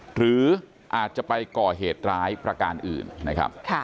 หรืออาจจะไปก่อเหตุร้ายประการอื่นนะครับ